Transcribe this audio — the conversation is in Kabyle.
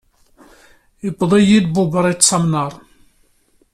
Iwweḍ-iyi-d bubriṭ s amnaṛ.